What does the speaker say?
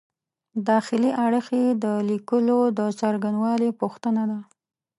داخلي اړخ یې د لیکلو د څرنګوالي پوښتنه ده.